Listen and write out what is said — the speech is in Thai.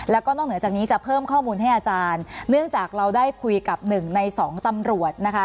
แล้วก็นอกเหนือจากนี้จะเพิ่มข้อมูลให้อาจารย์เนื่องจากเราได้คุยกับหนึ่งในสองตำรวจนะคะ